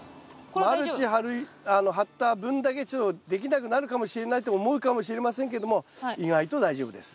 マルチ張った分だけちょっとできなくなるかもしれないと思うかもしれませんけども意外と大丈夫です。